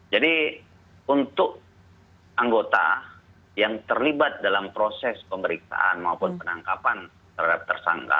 jadi untuk anggota yang terlibat dalam proses pemeriksaan maupun penangkapan terhadap tersangka